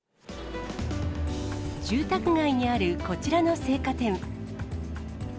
住宅街にある、こちらの青果店。